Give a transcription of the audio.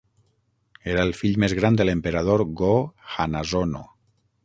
Era el fill més gran de l'emperador Go-Hanazono.